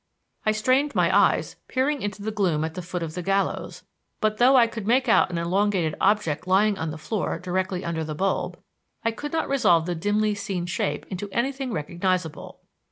I strained my eyes, peering into the gloom at the foot of the gallows, but though I could make out an elongated object lying on the floor directly under the bulb, I could not resolve the dimly seen shape into anything recognizable.